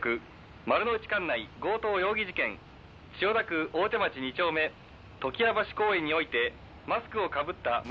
丸の内管内強盗容疑事件」「千代田区大手町２丁目常盤橋公園においてマスクをかぶった」